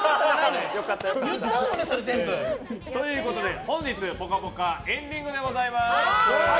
言っちゃうのね、全部。ということで本日「ぽかぽか」エンディングでございます。